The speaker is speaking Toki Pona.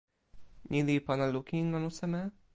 ni li pona lukin anu seme?